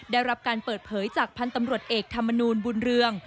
ได้รับการเปิดเผยจากพันธ์ตำรวจเอกธรรมนูลบุญเรือง